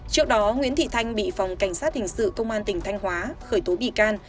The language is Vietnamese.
trước đó nguyễn thị thanh bị phòng cảnh sát hình sự công an tỉnh thanh hóa khởi tố bị can